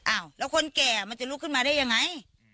อ้าวแล้วคนแก่มันจะลุกขึ้นมาได้ยังไง